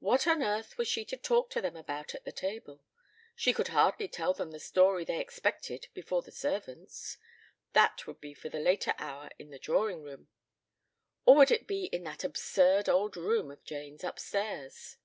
What on earth was she to talk to them about at the table? She could hardly tell them the story they expected before the servants. That would be for the later hour in the drawing room or would it be in that absurd old room of Jane's upstairs?